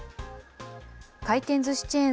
回転ずしチェーン